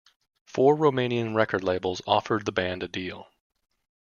Four Romanian record labels offered the band a deal.